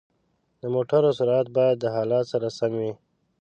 د موټرو سرعت باید د حالت سره سم وي.